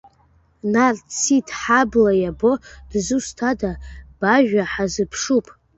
Нарҭ Сиҭ ҳабла иабо дызусҭада, бажәа ҳазыԥшуп.